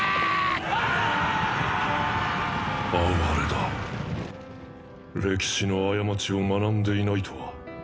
哀れだ歴史の過ちを学んでいないとは。